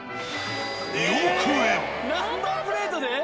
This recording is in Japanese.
ええっナンバープレートで？